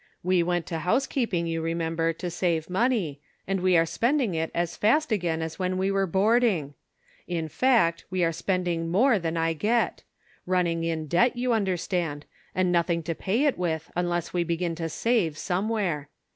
We went to housekeeping, you remember, to save money, and we are spending it as fast again as when we were boarding. In fact, Cake and Benevolence. 51 we are spending more than I get; running in debt, you understand, and nothing to pay it with, unless we begin to save, somewhere.